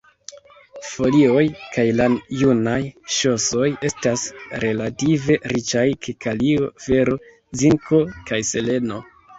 Folioj kaj la junaj ŝosoj estas relative riĉaj je kalio, fero, zinko kaj seleno.